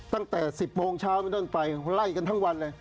ตั้งแต่๑๐โมงเช้าเป็นต้นไปไล่กันทั้งวันเลย